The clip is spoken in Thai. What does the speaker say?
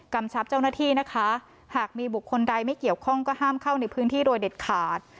ชับเจ้าหน้าที่นะคะหากมีบุคคลใดไม่เกี่ยวข้องก็ห้ามเข้าในพื้นที่โดยเด็ดขาด